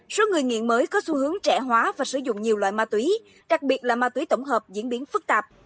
số người nghiện mới có xu hướng trẻ hóa và sử dụng nhiều loại ma túy đặc biệt là ma túy tổng hợp diễn biến phức tạp